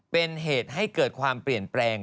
เป็นเหตุให้เกิดความเปลี่ยนแปลง